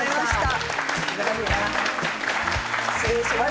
失礼します。